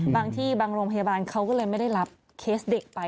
บางที่บางโรงพยาบาลเขาก็เลยไม่ได้รับเคสเด็กไป